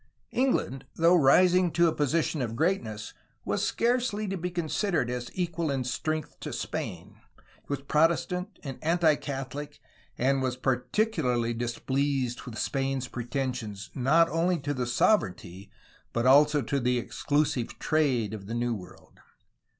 England, though rising to a position of greatness, was scarcely to be considered as equal in strength to Spain, was Protestant and anti Catholic, and was particularly displeased with Spain's pretensions not only to the sovereignty but also to the exclusive trade of the New World.